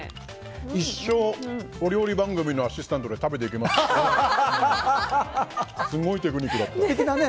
一生お料理番組のアシスタントで食べていけますね。